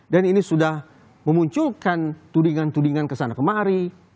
dan ini sudah memunculkan tudingan tudingan kesana kemari